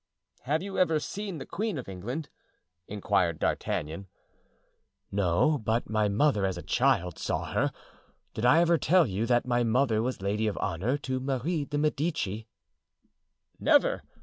"Have you ever seen the queen of England?" inquired D'Artagnan. "No; but my mother, as a child, saw her. Did I ever tell you that my mother was lady of honor to Marie de Medici?" "Never.